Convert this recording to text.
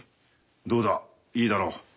どうだいいだろう。